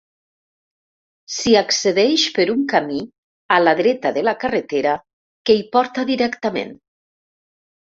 S'hi accedeix per un camí a la dreta de la carretera, que hi porta directament.